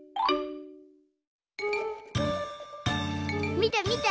みてみて！